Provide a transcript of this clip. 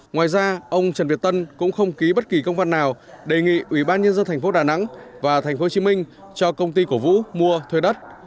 ngoài ra ông trần việt tân cũng không ký bất kỳ công văn nào đề nghị ubnd tp đà nẵng và tp hcm cho công ty cổ vũ mua thuê đất